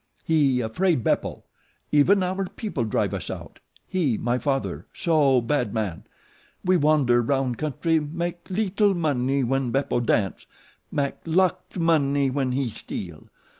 He afraid Beppo. Even our people drive us out he, my father, so bad man. We wander 'round country mak leetle money when Beppo dance; mak lot money when HE steal.